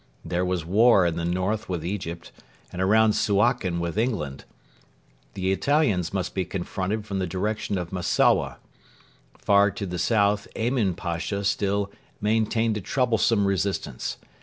There was war in the north with Egypt and around Suakin with England. The Italians must be confronted from the direction of Massowa. Far to the south Emin Pasha still maintained a troublesome resistance.